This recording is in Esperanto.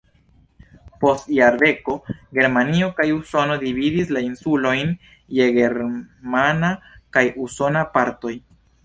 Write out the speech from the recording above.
Post jardeko Germanio kaj Usono dividis la insulojn je germana kaj usona partoj.